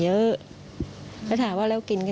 อยู่ดีมาตายแบบเปลือยคาห้องน้ำได้ยังไง